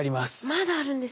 まだあるんですね。